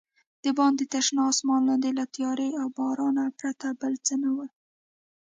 دباندې تر شنه اسمان لاندې له تیارې او بارانه پرته بل څه نه ول.